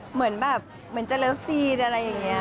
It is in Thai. เหมือนแบบเหมือนจะเลิฟซีนอะไรอย่างนี้